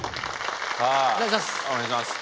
お願いします。